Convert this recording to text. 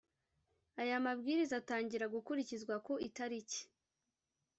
Aya mabwiriza atangira gukurikizwa ku italiki